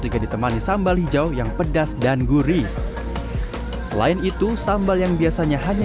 juga ditemani sambal hijau yang pedas dan gurih selain itu sambal yang biasanya hanya